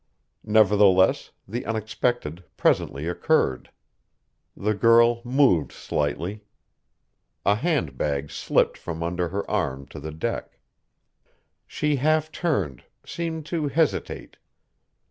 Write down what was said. Nevertheless the unexpected presently occurred. The girl moved slightly. A hand bag slipped from under her arm to the deck. She half turned, seemed to hesitate.